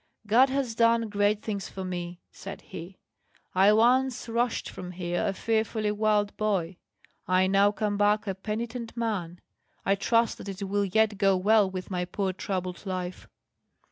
"God has done great things for me," said he. "I once rushed from here, a fearfully wild boy; I now come back a penitent man. I trust that it will yet go well with my poor troubled life."